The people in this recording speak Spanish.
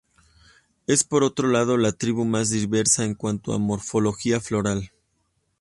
Es, por otro lado, la tribu más diversa en cuanto a morfología floral.